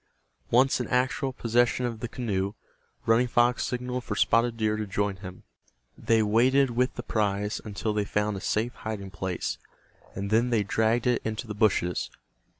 Once in actual possession of the canoe, Running Fox signaled for Spotted Deer to join him. They waded with the prize until they found a safe hiding place, and then they dragged it into the bushes.